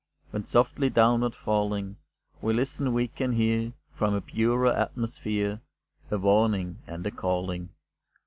Then softly downward falling, If we listen, we can hear, From a purer atmosphere, A warning and a calling.